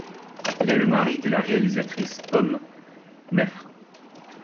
Il est le mari de la réalisatrice Pomme Meffre.